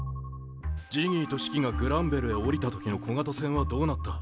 ジギーとシキがグランベルへ降りた時の小型船はどうなった？